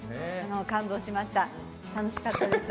感動しました、楽しかったです。